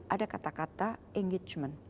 ada kata kata engagement